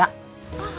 ああ。